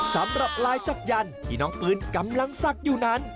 สำหรับลายศักยันต์ที่น้องปืนกำลังศักดิ์อยู่นั้น